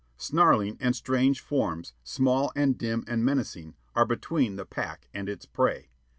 snarling and strange forms, small and dim and menacing, are between the pack and its prey.